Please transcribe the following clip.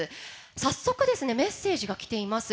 早速メッセージがきています。